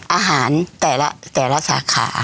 อาหารแต่ละสาขา